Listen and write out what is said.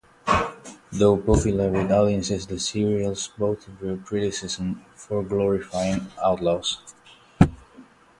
Though popular with audiences, the serials both drew criticism for glorifying outlaws.